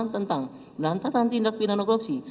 tentang penantasan tindak pidana korupsi